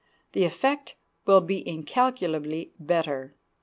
The effect will be incalculably better.